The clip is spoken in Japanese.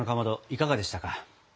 いかがでしたか？